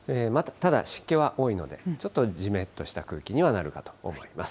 ただ、湿気は多いので、ちょっとじめっとした空気にはなるかと思います。